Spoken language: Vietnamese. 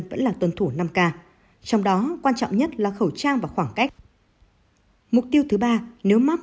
vẫn là tuân thủ năm k trong đó quan trọng nhất là khẩu trang và khoảng cách mục tiêu thứ ba nếu mắc